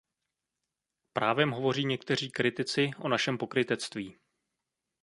Právem hovoří někteří kritici o našem pokrytectví.